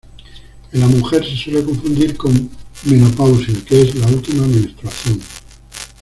En la mujer, se suele confundir con menopausia, que es la última menstruación.